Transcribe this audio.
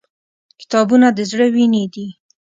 • کتابونه د زړه وینې دي.